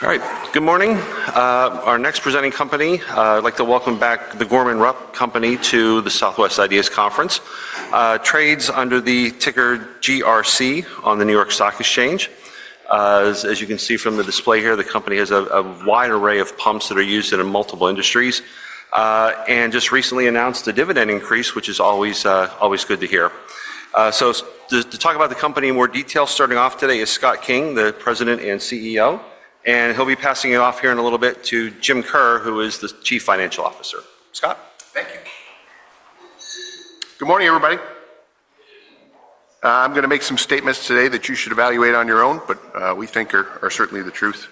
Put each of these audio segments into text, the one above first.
All right. Good morning. Our next presenting company, I'd like to welcome back the Gorman-Rupp Company to the Southwest IDEAS Conference. Trades under the ticker GRC on the New York Stock Exchange. As you can see from the display here, the company has a wide array of pumps that are used in multiple industries, and just recently announced a dividend increase, which is always good to hear. To talk about the company in more detail, starting off today is Scott King, the President and CEO, and he'll be passing it off here in a little bit to Jim Kerr, who is the Chief Financial Officer. Scott? Thank you. Good morning, everybody. I'm going to make some statements today that you should evaluate on your own, but we think are certainly the truth.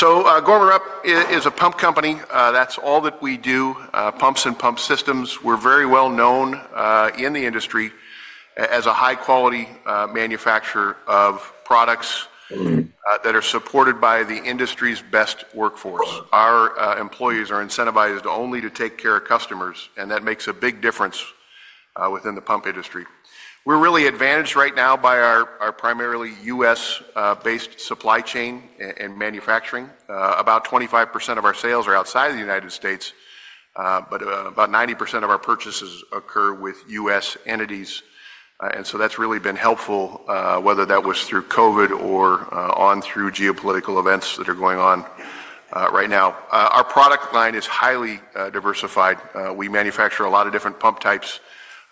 Gorman-Rupp is a pump company. That's all that we do: pumps and pump systems. We're very well known in the industry as a high-quality manufacturer of products that are supported by the industry's best workforce. Our employees are incentivized only to take care of customers, and that makes a big difference within the pump industry. We're really advantaged right now by our primarily U.S.-based supply chain and manufacturing. About 25% of our sales are outside of the United States, but about 90% of our purchases occur with U.S. entities, and that's really been helpful, whether that was through COVID or on through geopolitical events that are going on right now. Our product line is highly diversified. We manufacture a lot of different pump types.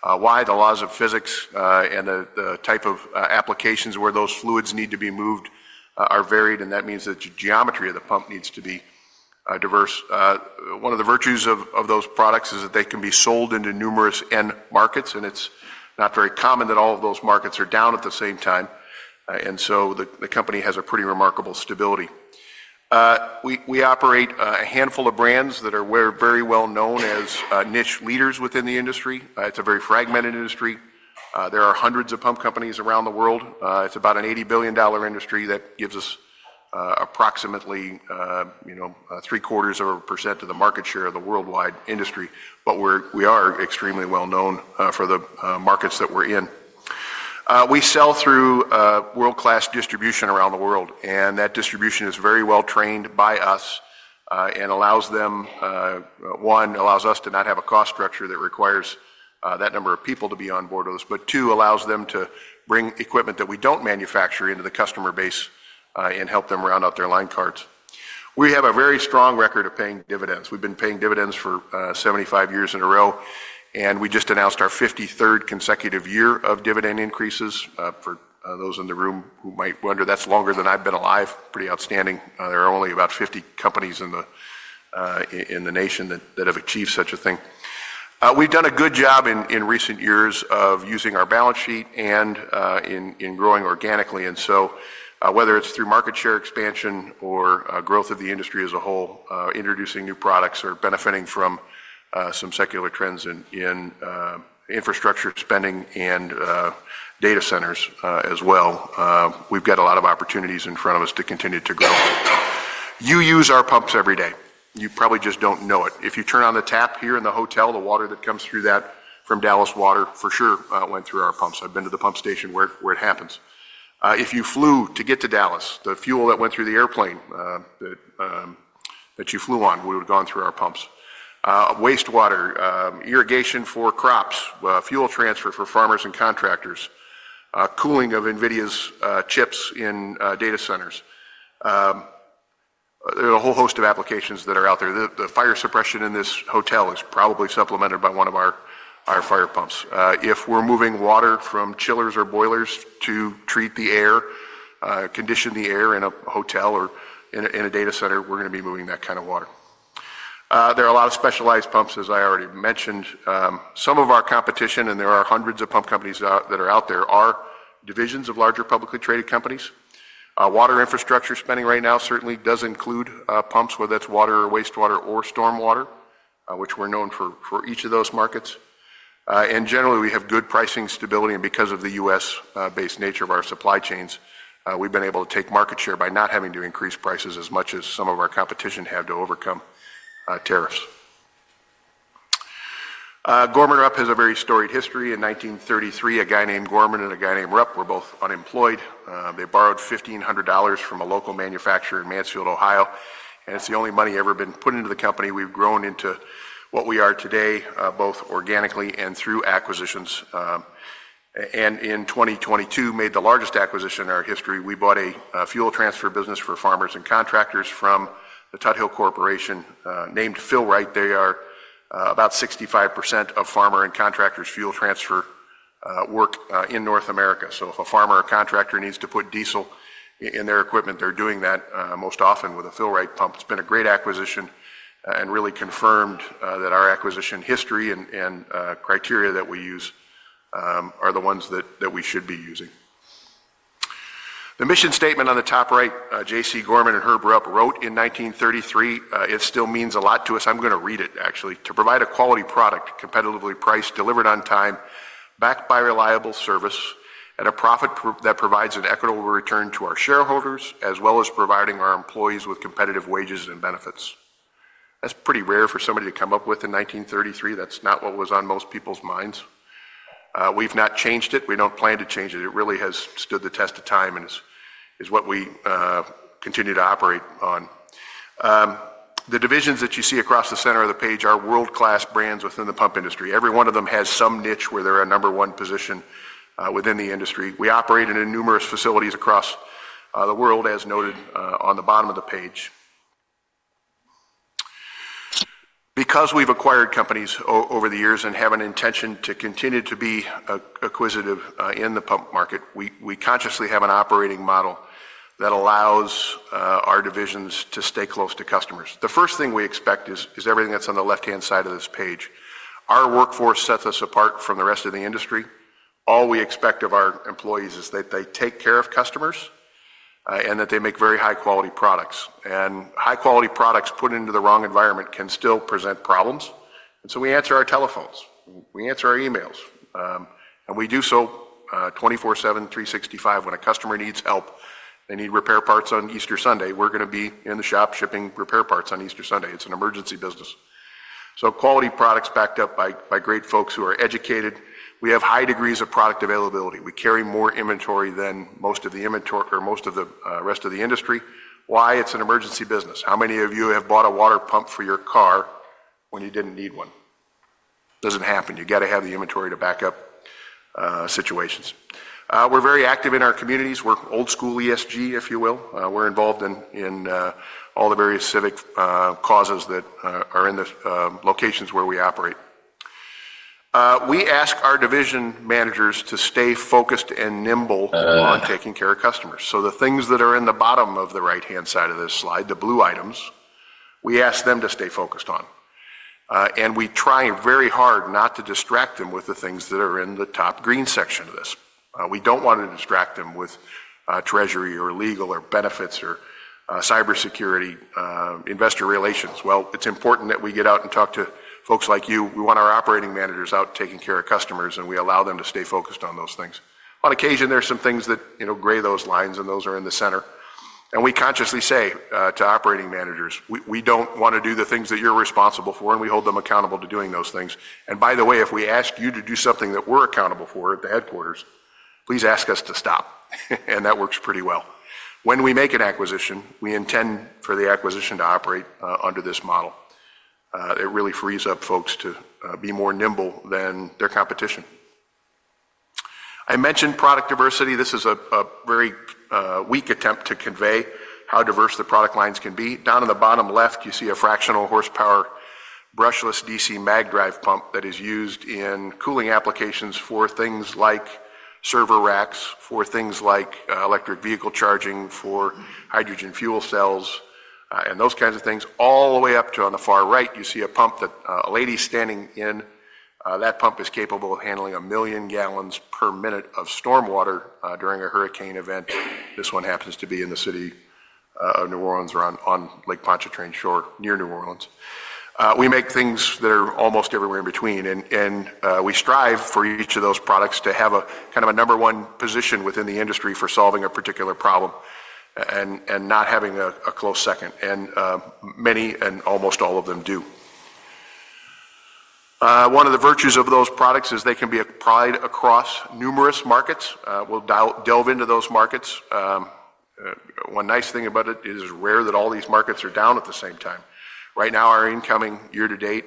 Why? The laws of physics and the type of applications where those fluids need to be moved are varied, and that means that the geometry of the pump needs to be diverse. One of the virtues of those products is that they can be sold into numerous end markets, and it's not very common that all of those markets are down at the same time, and so the company has a pretty remarkable stability. We operate a handful of brands that are very well known as niche leaders within the industry. It's a very fragmented industry. There are hundreds of pump companies around the world. It's about an $80 billion industry that gives us approximately three-quarters of a percent of the market share of the worldwide industry, but we are extremely well known for the markets that we're in. We sell through world-class distribution around the world, and that distribution is very well trained by us and allows them, one, allows us to not have a cost structure that requires that number of people to be on board with us, but two, allows them to bring equipment that we do not manufacture into the customer base and help them round out their line cards. We have a very strong record of paying dividends. We have been paying dividends for 75 years in a row, and we just announced our 53rd consecutive year of dividend increases. For those in the room who might wonder, that is longer than I have been alive. Pretty outstanding. There are only about 50 companies in the nation that have achieved such a thing. We've done a good job in recent years of using our balance sheet and in growing organically, and so whether it's through market share expansion or growth of the industry as a whole, introducing new products, or benefiting from some secular trends in infrastructure spending and data centers as well, we've got a lot of opportunities in front of us to continue to grow. You use our pumps every day. You probably just don't know it. If you turn on the tap here in the hotel, the water that comes through that from Dallas Water, for sure, went through our pumps. I've been to the pump station where it happens. If you flew to get to Dallas, the fuel that went through the airplane that you flew on would have gone through our pumps. Wastewater, irrigation for crops, fuel transfer for farmers and contractors, cooling of NVIDIA's chips in data centers. There are a whole host of applications that are out there. The fire suppression in this hotel is probably supplemented by one of our fire pumps. If we're moving water from chillers or boilers to treat the air, condition the air in a hotel or in a data center, we're going to be moving that kind of water. There are a lot of specialized pumps, as I already mentioned. Some of our competition, and there are hundreds of pump companies that are out there, are divisions of larger publicly traded companies. Water infrastructure spending right now certainly does include pumps, whether that's water or wastewater or stormwater, which we're known for each of those markets. Generally, we have good pricing stability, and because of the U.S.-based nature of our supply chains, we've been able to take market share by not having to increase prices as much as some of our competition had to overcome tariffs. Gorman-Rupp has a very storied history. In 1933, a guy named Gorman and a guy named Rupp were both unemployed. They borrowed $1,500 from a local manufacturer in Mansfield, Ohio, and it's the only money ever been put into the company. We've grown into what we are today, both organically and through acquisitions. In 2022, we made the largest acquisition in our history. We bought a fuel transfer business for farmers and contractors from the Tuthill Corporation named Fill-Rite, they are about 65% of farmer and contractors' fuel transfer work in North America. If a farmer or contractor needs to put diesel in their equipment, they're doing that most often with a Fill-Rite pump. It's been a great acquisition and really confirmed that our acquisition history and criteria that we use are the ones that we should be using. The mission statement on the top right, J.C. Gorman and Herb Rupp wrote in 1933, it still means a lot to us. I'm going to read it, actually. "To provide a quality product, competitively priced, delivered on time, backed by reliable service, and a profit that provides an equitable return to our shareholders, as well as providing our employees with competitive wages and benefits." That's pretty rare for somebody to come up with in 1933. That's not what was on most people's minds. We've not changed it. We don't plan to change it. It really has stood the test of time and is what we continue to operate on. The divisions that you see across the center of the page are world-class brands within the pump industry. Every one of them has some niche where they're a number one position within the industry. We operate in numerous facilities across the world, as noted on the bottom of the page. Because we've acquired companies over the years and have an intention to continue to be acquisitive in the pump market, we consciously have an operating model that allows our divisions to stay close to customers. The first thing we expect is everything that's on the left-hand side of this page. Our workforce sets us apart from the rest of the industry. All we expect of our employees is that they take care of customers and that they make very high-quality products. High-quality products put into the wrong environment can still present problems, and we answer our telephones. We answer our emails, and we do so 24/7, 365. When a customer needs help, they need repair parts on Easter Sunday, we're going to be in the shop shipping repair parts on Easter Sunday. It's an emergency business. Quality products backed up by great folks who are educated. We have high degrees of product availability. We carry more inventory than most of the rest of the industry. Why? It's an emergency business. How many of you have bought a water pump for your car when you didn't need one? Doesn't happen. You've got to have the inventory to back up situations. We're very active in our communities. We're old-school ESG, if you will. We're involved in all the various civic causes that are in the locations where we operate. We ask our division managers to stay focused and nimble on taking care of customers. The things that are in the bottom of the right-hand side of this slide, the blue items, we ask them to stay focused on. We try very hard not to distract them with the things that are in the top green section of this. We do not want to distract them with treasury or legal or benefits or cybersecurity, investor relations. It is important that we get out and talk to folks like you. We want our operating managers out taking care of customers, and we allow them to stay focused on those things. On occasion, there are some things that gray those lines, and those are in the center. We consciously say to operating managers, we do not want to do the things that you are responsible for, and we hold them accountable to doing those things. By the way, if we ask you to do something that we are accountable for at the headquarters, please ask us to stop, and that works pretty well. When we make an acquisition, we intend for the acquisition to operate under this model. It really frees up folks to be more nimble than their competition. I mentioned product diversity. This is a very weak attempt to convey how diverse the product lines can be. Down in the bottom left, you see a fractional horsepower brushless DC mag drive pump that is used in cooling applications for things like server racks, for things like electric vehicle charging, for hydrogen fuel cells, and those kinds of things. All the way up to on the far right, you see a pump that a lady standing in that pump is capable of handling 1 million gallons per minute of stormwater during a hurricane event. This one happens to be in the city of New Orleans or on Lake Pontchartrain Shore, near New Orleans. We make things that are almost everywhere in between, and we strive for each of those products to have a kind of a number one position within the industry for solving a particular problem and not having a close second. Many and almost all of them do. One of the virtues of those products is they can be applied across numerous markets. We'll delve into those markets. One nice thing about it is it's rare that all these markets are down at the same time. Right now, our incoming year-to-date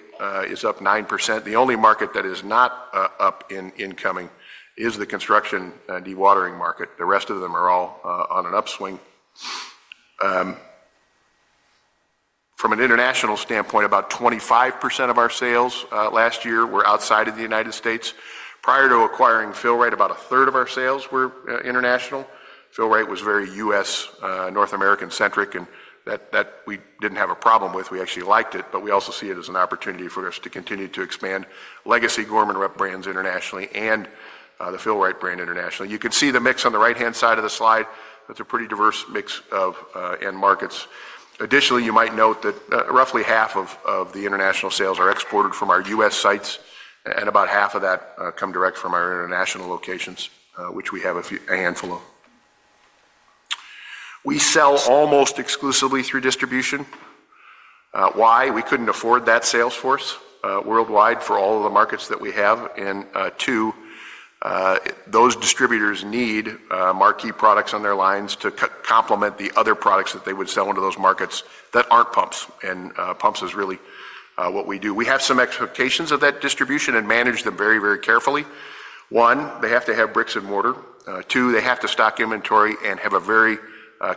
is up 9%. The only market that is not up in incoming is the construction and dewatering market. The rest of them are all on an upswing. From an international standpoint, about 25% of our sales last year were outside of the U.S. Prior to acquiring Fill-Rite, about a third of our sales were international. Fill-Rite was very U.S., North American-centric, and that we did not have a problem with. We actually liked it, but we also see it as an opportunity for us to continue to expand legacy Gorman-Rupp brands internationally and the Fill-Rite brand internationally. You can see the mix on the right-hand side of the slide. That is a pretty diverse mix of end markets. Additionally, you might note that roughly half of the international sales are exported from our U.S. sites, and about half of that come direct from our international locations, which we have a handful of. We sell almost exclusively through distribution. Why? We couldn't afford that sales force worldwide for all of the markets that we have. Two, those distributors need marquee products on their lines to complement the other products that they would sell into those markets that aren't pumps, and pumps is really what we do. We have some expectations of that distribution and manage them very, very carefully. One, they have to have bricks and mortar. Two, they have to stock inventory and have a very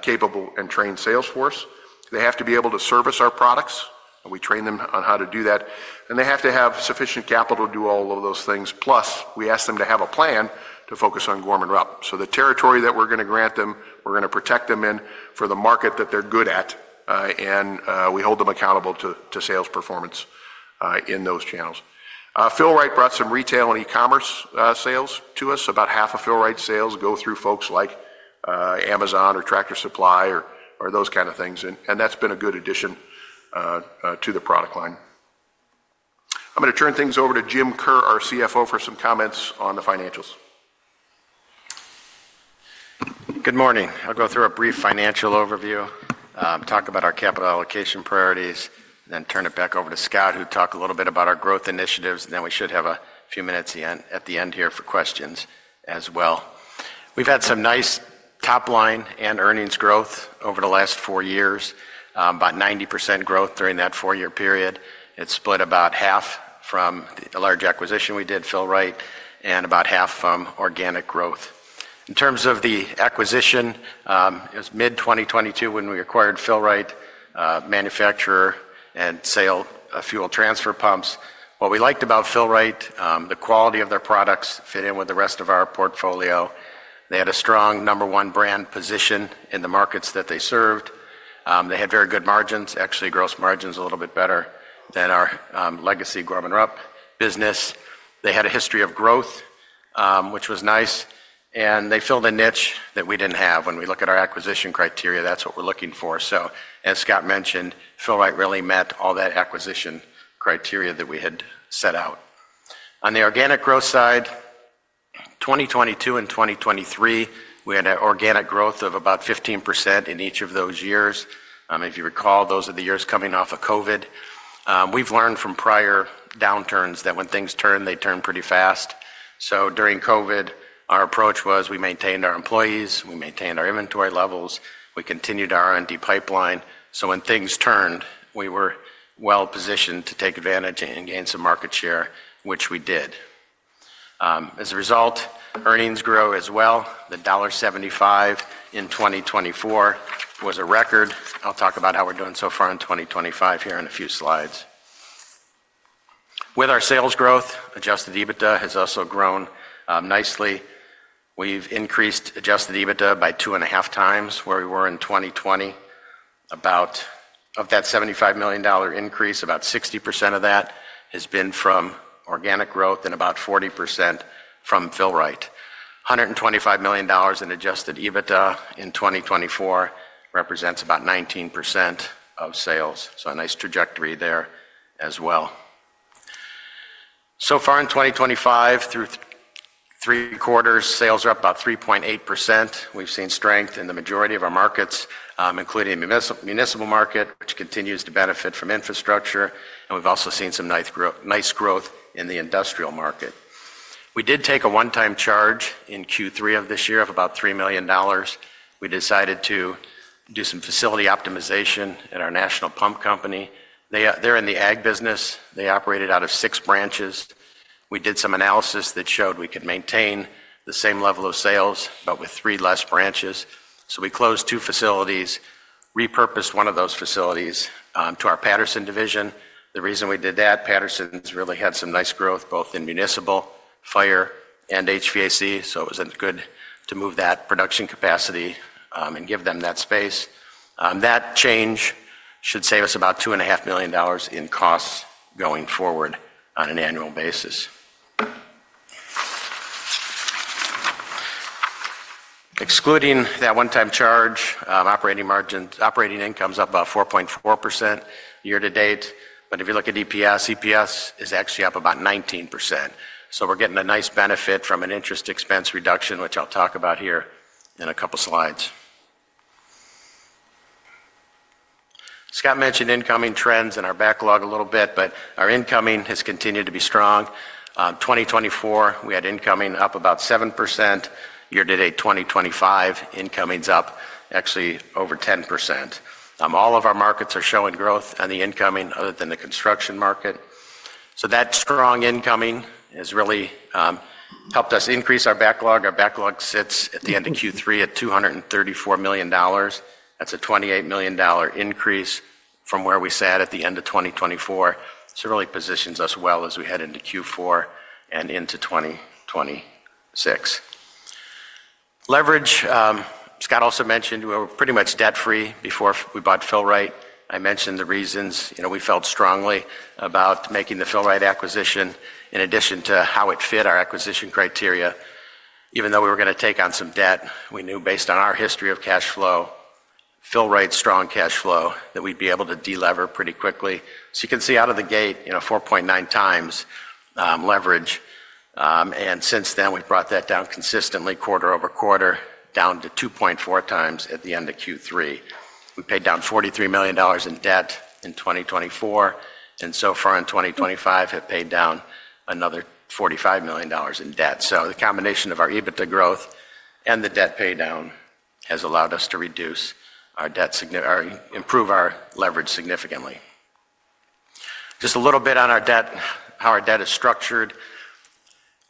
capable and trained sales force. They have to be able to service our products, and we train them on how to do that. They have to have sufficient capital to do all of those things. Plus, we ask them to have a plan to focus on Gorman-Rupp. The territory that we're going to grant them, we're going to protect them in for the market that they're good at, and we hold them accountable to sales performance in those channels. Fill-Rite brought some retail and e-commerce sales to us. About half of Fill-Rite's sales go through folks like Amazon or Tractor Supply or those kinds of things, and that's been a good addition to the product line. I'm going to turn things over to Jim Kerr, our CFO, for some comments on the financials. Good morning. I'll go through a brief financial overview, talk about our capital allocation priorities, then turn it back over to Scott, who'll talk a little bit about our growth initiatives, and then we should have a few minutes at the end here for questions as well. We've had some nice top-line and earnings growth over the last four years, about 90% growth during that four-year period. It's split about half from the large acquisition we did, Fill-Rite, and about half from organic growth. In terms of the acquisition, it was mid-2022 when we acquired Fill-Rite, manufacturer and sale of fuel transfer pumps. What we liked about Fill-Rite, the quality of their products fit in with the rest of our portfolio. They had a strong number one brand position in the markets that they served. They had very good margins, actually gross margins a little bit better than our legacy Gorman-Rupp business. They had a history of growth, which was nice, and they filled a niche that we didn't have. When we look at our acquisition criteria, that's what we're looking for. As Scott mentioned, Fill-Rite really met all that acquisition criteria that we had set out. On the organic growth side, 2022 and 2023, we had an organic growth of about 15% in each of those years. If you recall, those are the years coming off of COVID. We've learned from prior downturns that when things turn, they turn pretty fast. During COVID, our approach was we maintained our employees, we maintained our inventory levels, we continued our R&D pipeline. When things turned, we were well-positioned to take advantage and gain some market share, which we did. As a result, earnings grew as well. The $1.75 in 2024 was a record. I'll talk about how we're doing so far in 2025 here in a few slides. With our sales growth, adjusted EBITDA has also grown nicely. We've increased adjusted EBITDA by 2.5x where we were in 2020. Of that $75 million increase, about 60% of that has been from organic growth and about 40% from Fill-Rite. $125 million in adjusted EBITDA in 2024 represents about 19% of sales. A nice trajectory there as well. So far in 2025, through three quarters, sales are up about 3.8%. We've seen strength in the majority of our markets, including the municipal market, which continues to benefit from infrastructure, and we've also seen some nice growth in the industrial market. We did take a one-time charge in Q3 of this year of about $3 million. We decided to do some facility optimization at our National Pump Company. They're in the ag business. They operate out of six branches. We did some analysis that showed we could maintain the same level of sales, but with three less branches. We closed two facilities, repurposed one of those facilities to our Patterson division. The reason we did that, Patterson's really had some nice growth both in municipal, fire, and HVAC, so it was good to move that production capacity and give them that space. That change should save us about $2.5 million in costs going forward on an annual basis. Excluding that one-time charge, operating income's up about 4.4% year-to-date, but if you look at EPS, EPS is actually up about 19%. We're getting a nice benefit from an interest expense reduction, which I'll talk about here in a couple of slides. Scott mentioned incoming trends in our backlog a little bit, but our incoming has continued to be strong. In 2024, we had incoming up about 7%. Year-to-date 2025, incoming's up actually over 10%. All of our markets are showing growth on the incoming other than the construction market. That strong incoming has really helped us increase our backlog. Our backlog sits at the end of Q3 at $234 million. That's a $28 million increase from where we sat at the end of 2024. It really positions us well as we head into Q4 and into 2026. Leverage, Scott also mentioned we were pretty much debt-free before we bought Fill-Rite. I mentioned the reasons. We felt strongly about making the Fill-Rite acquisition in addition to how it fit our acquisition criteria. Even though we were going to take on some debt, we knew based on our history of cash flow, Fill-Rite's strong cash flow, that we'd be able to delever pretty quickly. You can see out of the gate, 4.9x leverage, and since then we've brought that down consistently quarter over quarter down to 2.4x at the end of Q3. We paid down $43 million in debt in 2024, and so far in 2025 have paid down another $45 million in debt. The combination of our EBITDA growth and the debt paydown has allowed us to improve our leverage significantly. Just a little bit on our debt, how our debt is structured.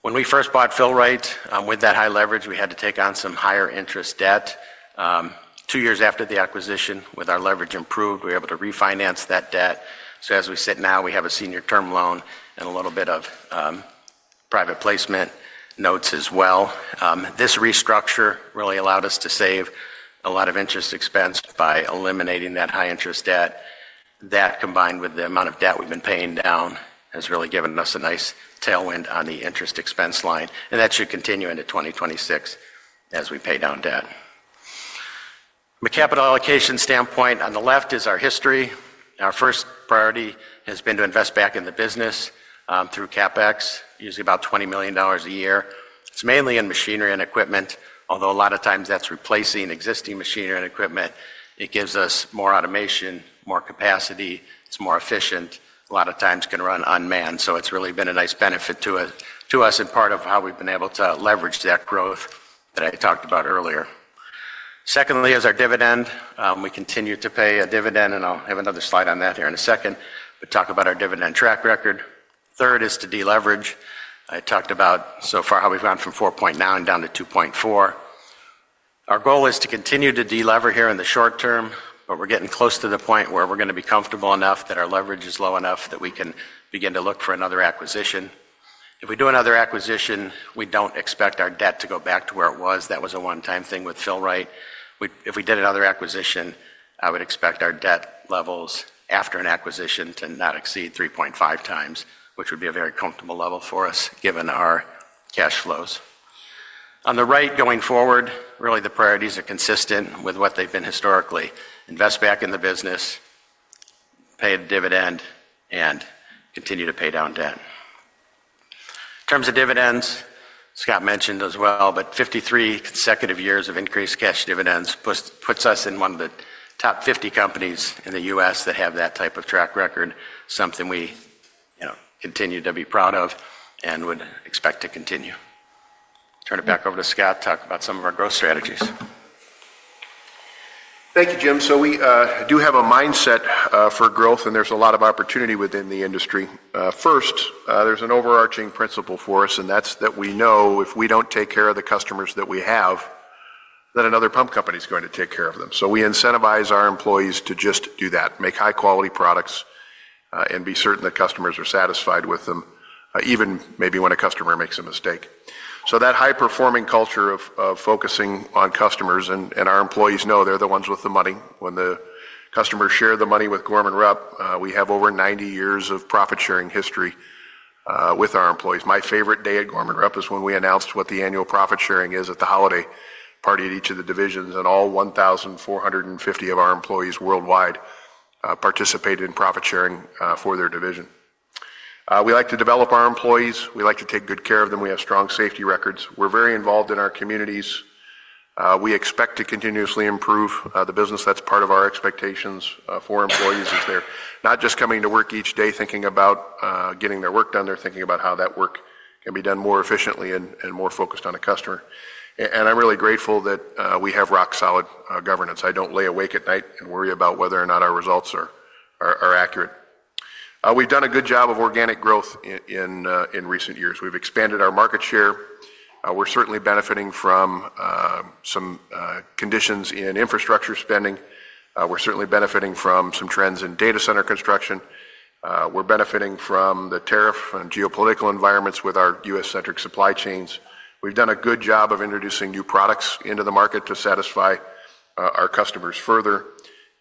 When we first bought Fill-Rite with that high leverage, we had to take on some higher-interest debt. Two years after the acquisition, with our leverage improved, we were able to refinance that debt. As we sit now, we have a senior term loan and a little bit of private placement notes as well. This restructure really allowed us to save a lot of interest expense by eliminating that high-interest debt. That, combined with the amount of debt we've been paying down, has really given us a nice tailwind on the interest expense line, and that should continue into 2026 as we pay down debt. From a capital allocation standpoint, on the left is our history. Our first priority has been to invest back in the business through CapEx, usually about $20 million a year. It's mainly in machinery and equipment, although a lot of times that's replacing existing machinery and equipment. It gives us more automation, more capacity. It's more efficient. A lot of times can run unmanned, so it's really been a nice benefit to us and part of how we've been able to leverage that growth that I talked about earlier. Secondly, as our dividend, we continue to pay a dividend, and I'll have another slide on that here in a second. We talk about our dividend track record. Third is to deleverage. I talked about so far how we've gone from 4.9 down to 2.4. Our goal is to continue to delever here in the short term, but we're getting close to the point where we're going to be comfortable enough that our leverage is low enough that we can begin to look for another acquisition. If we do another acquisition, we don't expect our debt to go back to where it was. That was a one-time thing with Fill-Rite. If we did another acquisition, I would expect our debt levels after an acquisition to not exceed 3.5x, which would be a very comfortable level for us given our cash flows. On the right, going forward, really the priorities are consistent with what they've been historically. Invest back in the business, pay a dividend, and continue to pay down debt. In terms of dividends, Scott mentioned as well, but 53 consecutive years of increased cash dividends puts us in one of the top 50 companies in the U.S. that have that type of track record, something we continue to be proud of and would expect to continue. Turn it back over to Scott to talk about some of our growth strategies. Thank you, Jim. We do have a mindset for growth, and there's a lot of opportunity within the industry. First, there's an overarching principle for us, and that's that we know if we don't take care of the customers that we have, then another pump company's going to take care of them. We incentivize our employees to just do that, make high-quality products, and be certain that customers are satisfied with them, even maybe when a customer makes a mistake. That high-performing culture of focusing on customers, and our employees know they're the ones with the money. When the customers share the money with Gorman-Rupp, we have over 90 years of profit-sharing history with our employees. My favorite day at Gorman-Rupp is when we announced what the annual profit-sharing is at the holiday party at each of the divisions, and all 1,450 of our employees worldwide participated in profit-sharing for their division. We like to develop our employees. We like to take good care of them. We have strong safety records. We're very involved in our communities. We expect to continuously improve the business. That's part of our expectations for employees is they're not just coming to work each day thinking about getting their work done. They're thinking about how that work can be done more efficiently and more focused on a customer. I'm really grateful that we have rock-solid governance. I don't lay awake at night and worry about whether or not our results are accurate. We've done a good job of organic growth in recent years. We've expanded our market share. We're certainly benefiting from some conditions in infrastructure spending. We're certainly benefiting from some trends in data center construction. We're benefiting from the tariff and geopolitical environments with our U.S.-centric supply chains. We've done a good job of introducing new products into the market to satisfy our customers further,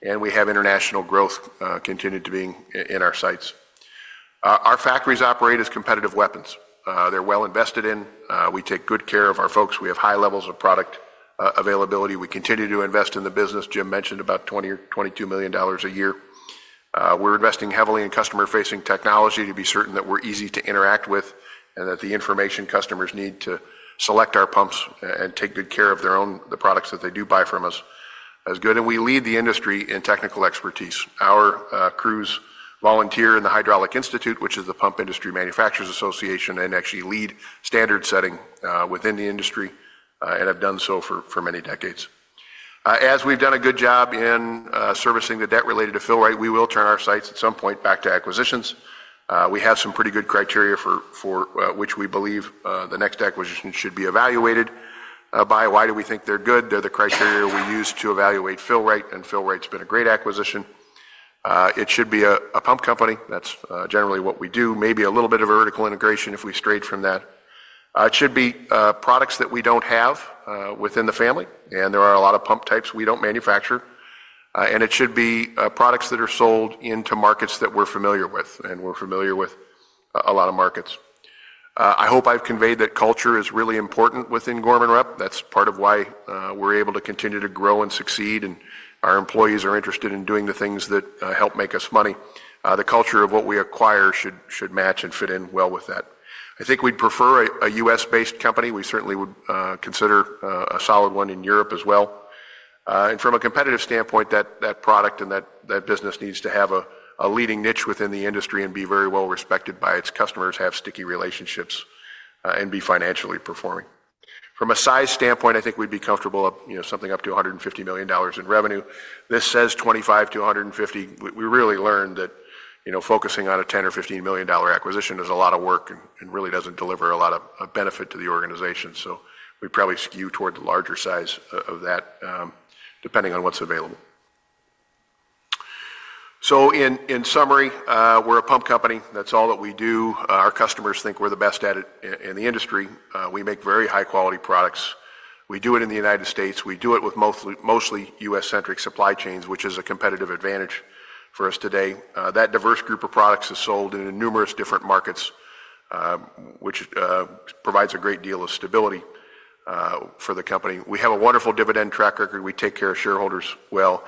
and we have international growth continued to be in our sights. Our factories operate as competitive weapons. They're well invested in. We take good care of our folks. We have high levels of product availability. We continue to invest in the business. Jim mentioned about $20 million or $22 million a year. We're investing heavily in customer-facing technology to be certain that we're easy to interact with and that the information customers need to select our pumps and take good care of their own products that they do buy from us is good. We lead the industry in technical expertise. Our crews volunteer in the Hydraulic Institute, which is the Pump Industry Manufacturers Association, and actually lead standard setting within the industry and have done so for many decades. As we've done a good job in servicing the debt related to Fill-Rite, we will turn our sights at some point back to acquisitions. We have some pretty good criteria for which we believe the next acquisition should be evaluated by. Why do we think they're good? They're the criteria we used to evaluate Fill-Rite, and Fill-Rite's been a great acquisition. It should be a pump company. That's generally what we do. Maybe a little bit of vertical integration if we strayed from that. It should be products that we don't have within the family, and there are a lot of pump types we don't manufacture. It should be products that are sold into markets that we're familiar with and we're familiar with a lot of markets. I hope I've conveyed that culture is really important within Gorman-Rupp. That's part of why we're able to continue to grow and succeed, and our employees are interested in doing the things that help make us money. The culture of what we acquire should match and fit in well with that. I think we'd prefer a U.S.-based company. We certainly would consider a solid one in Europe as well. From a competitive standpoint, that product and that business needs to have a leading niche within the industry and be very well respected by its customers, have sticky relationships, and be financially performing. From a size standpoint, I think we'd be comfortable with something up to $150 million in revenue. This says $25 million-$150 million. We really learned that focusing on a $10 million or $15 million acquisition is a lot of work and really does not deliver a lot of benefit to the organization. We would probably skew toward the larger size of that depending on what is available. In summary, we are a pump company. That is all that we do. Our customers think we are the best at it in the industry. We make very high-quality products. We do it in the United States. We do it with mostly U.S.-centric supply chains, which is a competitive advantage for us today. That diverse group of products is sold in numerous different markets, which provides a great deal of stability for the company. We have a wonderful dividend track record. We take care of shareholders well.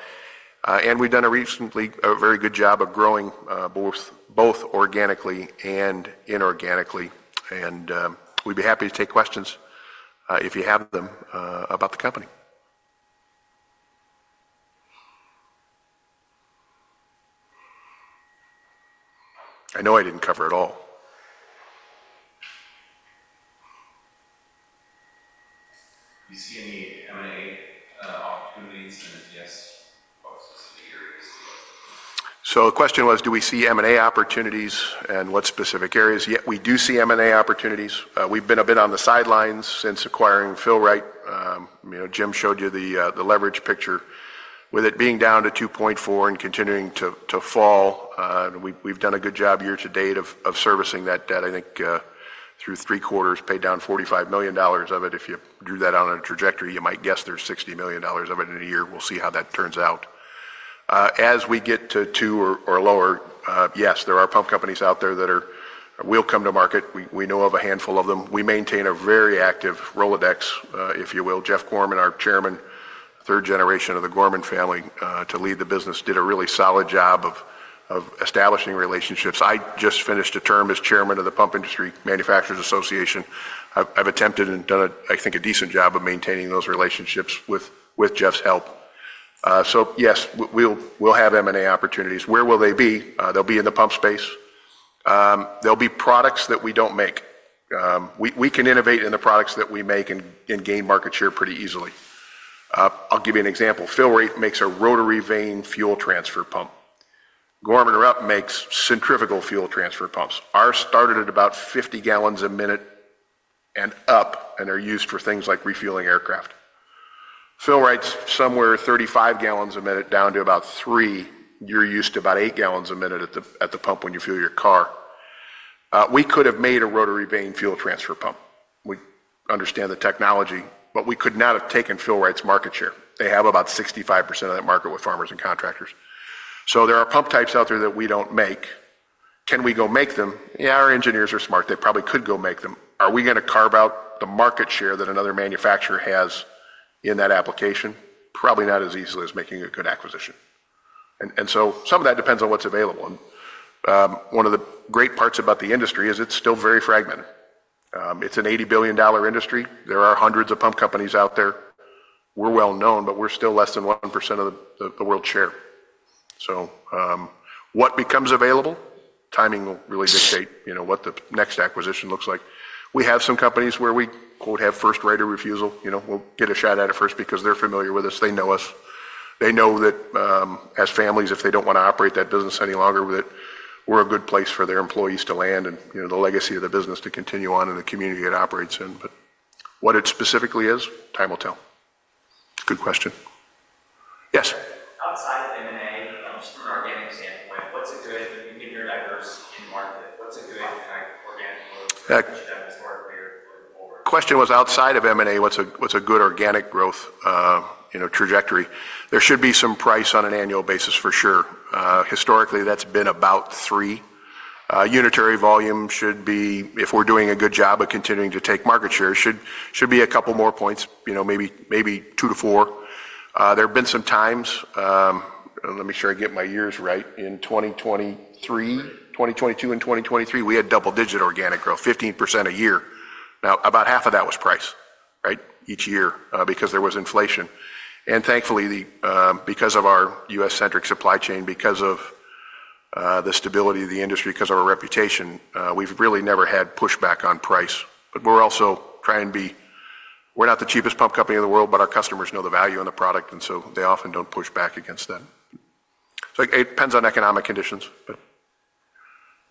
We have done recently a very good job of growing both organically and inorganically. We'd be happy to take questions if you have them about the company. I know I didn't cover it all. Do you see any M&A opportunities? If yes, what specific areas do you have? The question was, do we see M&A opportunities and what specific areas? Yet, we do see M&A opportunities. We've been a bit on the sidelines since acquiring Fill-Rite. Jim showed you the leverage picture. With it being down to 2.4 and continuing to fall, we've done a good job year-to-date of servicing that debt. I think through three quarters, paid down $45 million of it. If you drew that out on a trajectory, you might guess there's $60 million of it in a year. We'll see how that turns out. As we get to two or lower, yes, there are pump companies out there that will come to market. We know of a handful of them. We maintain a very active Rolodex, if you will. Jeff Gorman, our chairman, third generation of the Gorman family to lead the business, did a really solid job of establishing relationships. I just finished a term as chairman of the Pump Industry Manufacturers Association. I've attempted and done, I think, a decent job of maintaining those relationships with Jeff's help. Yes, we'll have M&A opportunities. Where will they be? They'll be in the pump space. There'll be products that we don't make. We can innovate in the products that we make and gain market share pretty easily. I'll give you an example. Fill-Rite makes a rotary vane fuel transfer pump. Gorman-Rupp makes centrifugal fuel transfer pumps. Ours started at about 50 gallons a minute and up, and they're used for things like refueling aircraft. Fill-Rite's somewhere 35 gallons a minute down to about 3. You're used to about 8 gallons a minute at the pump when you fuel your car. We could have made a rotary vane fuel transfer pump. We understand the technology, but we could not have taken Fill-Rite's market share. They have about 65% of that market with farmers and contractors. There are pump types out there that we do not make. Can we go make them? Yeah, our engineers are smart. They probably could go make them. Are we going to carve out the market share that another manufacturer has in that application? Probably not as easily as making a good acquisition. Some of that depends on what is available. One of the great parts about the industry is it is still very fragmented. It is an $80 billion industry. There are hundreds of pump companies out there. We are well known, but we are still less than 1% of the world's share. What becomes available? Timing will really dictate what the next acquisition looks like. We have some companies where we quote have first right of refusal. We'll get a shot at it first because they're familiar with us. They know us. They know that as families, if they don't want to operate that business any longer, we're a good place for their employees to land and the legacy of the business to continue on in the community it operates in. What it specifically is, time will tell. Good question. Yes. Outside of M&A, just from an organic standpoint, what's a good, if you can give your diverse in-market, what's a good organic growth strategy that historically has been important? Question was outside of M&A, what's a good organic growth trajectory? There should be some price on an annual basis for sure. Historically, that's been about three. Unitary volume should be, if we're doing a good job of continuing to take market share, should be a couple more points, maybe two to four. There have been some times, let me make sure I get my years right, in 2022 and 2023, we had double-digit organic growth, 15% a year. Now, about half of that was price, right, each year because there was inflation. Thankfully, because of our U.S.-centric supply chain, because of the stability of the industry, because of our reputation, we've really never had pushback on price. We're also trying to be, we're not the cheapest pump company in the world, but our customers know the value on the product, and so they often don't push back against that. It depends on economic conditions.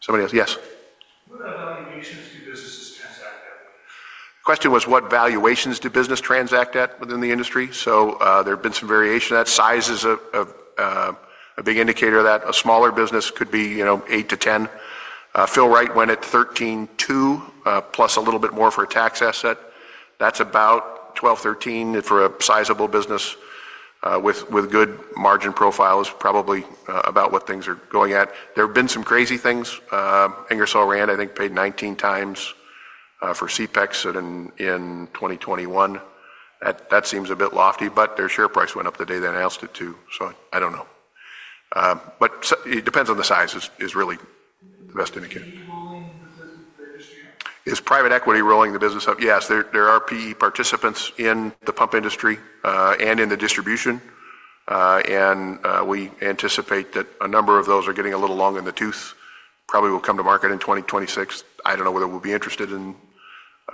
Somebody else, yes? What about valuations do businesses transact at? Question was what valuations do businesses transact at within the industry? There have been some variation of that. Size is a big indicator of that. A smaller business could be eight to 10. Fill-Rite went at 13.2 plus a little bit more for a tax asset. That is about 12-13 for a sizable business with good margin profiles, probably about what things are going at. There have been some crazy things. Ingersoll Rand, I think, paid 19X for Seepex in 2021. That seems a bit lofty, but their share price went up the day they announced it too. I do not know. It depends on the size, size is really the best indicator. Is private equity rolling the business up? Is private equity rolling the business up? Yes. There are PE participants in the pump industry and in the distribution. We anticipate that a number of those are getting a little long in the tooth. Probably will come to market in 2026. I don't know whether we'll be interested in,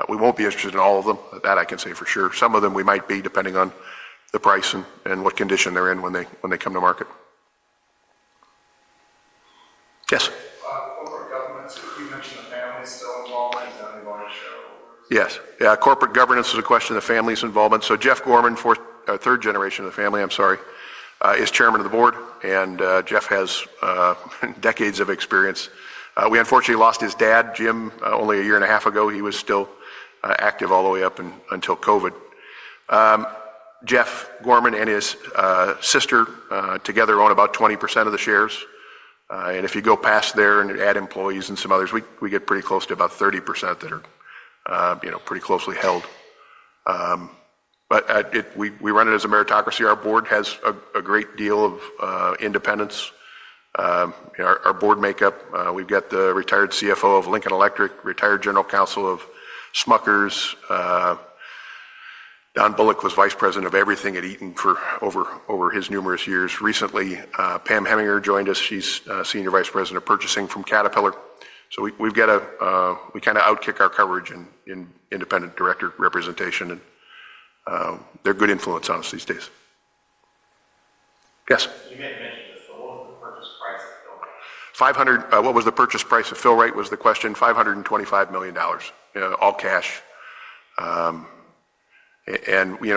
we won't be interested in all of them. That I can say for sure. Some of them we might be depending on the price and what condition they're in when they come to market. Yes? Corporate governance, you mentioned the family's still involved in selling large shareholders. Yes. Yeah, corporate governance is a question of the family's involvement. Jeff Gorman, third generation of the family, I'm sorry, is chairman of the board, and Jeff has decades of experience. We unfortunately lost his dad, Jim, only a year and a half ago. He was still active all the way up until COVID. Jeff Gorman and his sister together own about 20% of the shares. If you go past there and add employees and some others, we get pretty close to about 30% that are pretty closely held. We run it as a meritocracy. Our board has a great deal of independence. Our board makeup, we've got the retired CFO of Lincoln Electric, retired General Counsel of Smuckers. Don Bullock was Vice President of everything at Eaton for over his numerous years. Recently, Pam Hemminger joined us. She's Senior Vice President of purchasing from Caterpillar. We kind of outkick our coverage in independent director representation, and they're a good influence on us these days. Yes? You may have mentioned this, but what was the purchase price of Fill-Rite? What was the purchase price of Fill-Rite was the question? $525 million, all cash.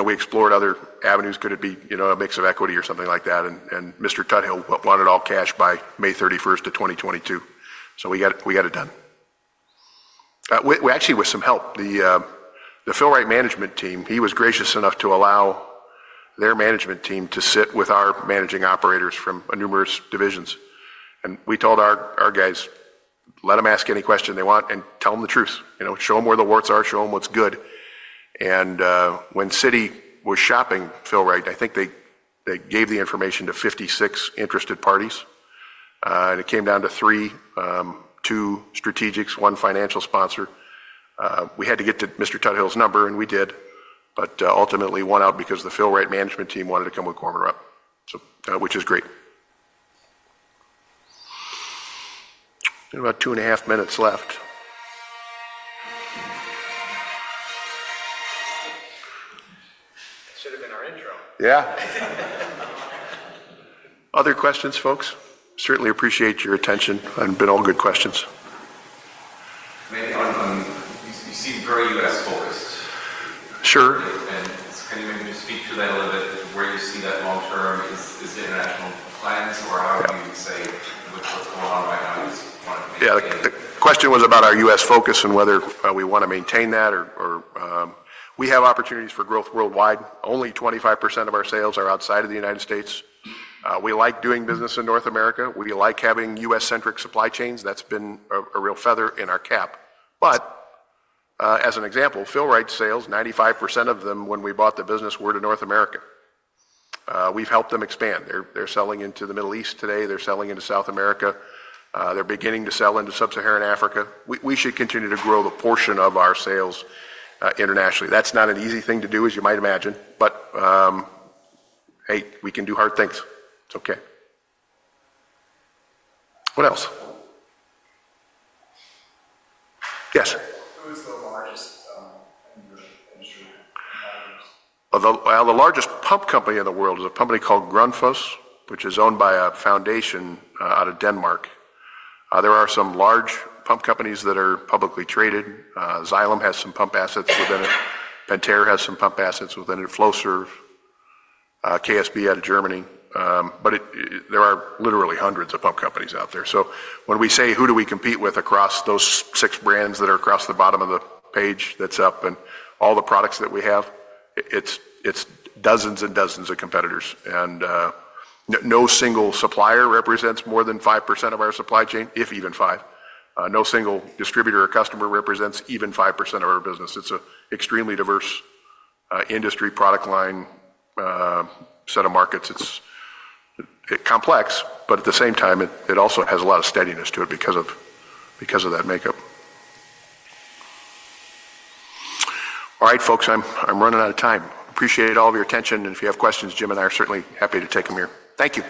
We explored other avenues. Could it be a mix of equity or something like that? Mr. Tuthill wanted all cash by May 31 of 2022. We got it done. Actually, with some help, the Fill-Rite management team, he was gracious enough to allow their management team to sit with our managing operators from numerous divisions. We told our guys, let them ask any question they want and tell them the truth. Show them where the warts are. Show them what's good. When Citi was shopping Fill-Rite, I think they gave the information to 56 interested parties. It came down to three, two strategics, one financial sponsor. We had to get to Mr. Tuthill's number, and we did. Ultimately, won out because the Fill-Rite management team wanted to come with Gorman-Rupp, which is great. We've got about two and a half minutes left. That should have been our intro. Yeah. Other questions, folks? Certainly appreciate your attention. It's been all good questions. You seem very U.S.-focused. Sure. Can you maybe just speak to that a little bit? Where do you see that long term? Is it international plans or how do you say what's going on right now? Yeah, the question was about our U.S. focus and whether we want to maintain that or we have opportunities for growth worldwide. Only 25% of our sales are outside of the United States. We like doing business in North America. We like having U.S.-centric supply chains. That's been a real feather in our cap. As an example, Fill-Rite sales, 95% of them when we bought the business were to North America. We've helped them expand. They're selling into the Middle East today. They're selling into South America. They're beginning to sell into sub-Saharan Africa. We should continue to grow the portion of our sales internationally. That's not an easy thing to do, as you might imagine. Hey, we can do hard things. It's okay. What else? Yes? Who is the largest industry competitor? The largest pump company in the world is a company called Grundfos, which is owned by a foundation out of Denmark. There are some large pump companies that are publicly traded. Xylem has some pump assets within it. Pentair has some pump assets within it. Flowserve, KSB out of Germany. There are literally hundreds of pump companies out there. When we say, who do we compete with across those six brands that are across the bottom of the page that's up and all the products that we have, it's dozens and dozens of competitors. No single supplier represents more than 5% of our supply chain, if even 5%. No single distributor or customer represents even 5% of our business. It's an extremely diverse industry, product line, set of markets. It's complex, but at the same time, it also has a lot of steadiness to it because of that makeup. All right, folks, I'm running out of time. Appreciate all of your attention. If you have questions, Jim and I are certainly happy to take them here. Thank you.